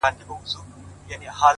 مثبت فکر ذهن آراموي؛